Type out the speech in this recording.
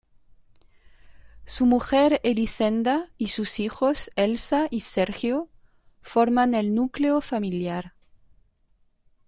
Su mujer Elisenda, y sus hijos Elsa y Sergio, forman el núcleo familiar.